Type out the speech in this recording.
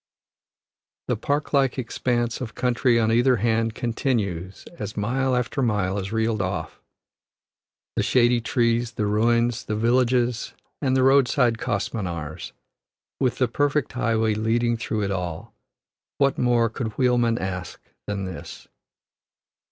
The park like expanse of country on either hand continues as mile after mile is reeled off; the shady trees, the ruins, the villages, and the roadside kos minars, with the perfect highway leading through it all what more could wheelman ask than this.